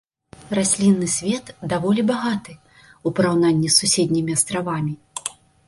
Раслінны свет даволі багаты ў параўнанні з суседнімі астравамі.